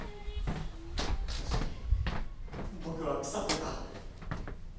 確かに僕は腐ってた。